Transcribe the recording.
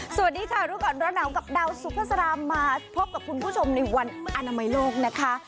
สวัสดีค่ะรู้ก่อนร้อนหนาวกับดาวสุภาษามาพบกับคุณผู้ชมในวันอนามัยโลกนะคะ